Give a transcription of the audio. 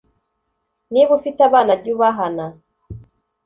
niba ufite abana, jya ubahana